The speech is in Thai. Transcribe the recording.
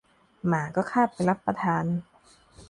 หมาก็คาบไปรับประทาน